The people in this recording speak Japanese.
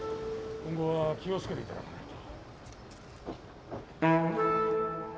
今後は気を付けていただかないと。